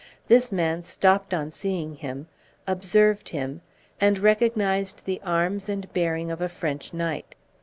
This man stopped on seeing him, observed him, and recognized the arms and bearing of a French knight.